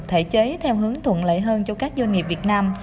thể chế theo hướng thuận lợi hơn cho các doanh nghiệp việt nam